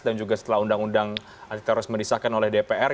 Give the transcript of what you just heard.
dan juga setelah undang undang antiteroris merisakan oleh dpr